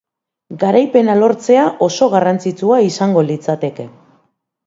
Garaipena lortzea oso garrantzitsua izango litzateke.